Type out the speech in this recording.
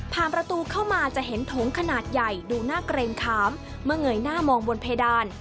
ประตูเข้ามาจะเห็นโถงขนาดใหญ่ดูหน้าเกรงขามเมื่อเงยหน้ามองบนเพดาน